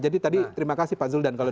jadi tadi terima kasih pak zuldan kalau